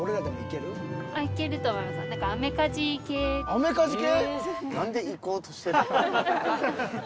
アメカジ系！